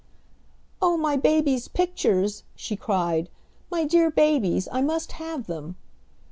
"Oh, my babies' pictures!" she cried. "My dear babies! I must have them."